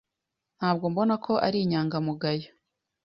Ntabwo mbona ko ari inyangamugayo.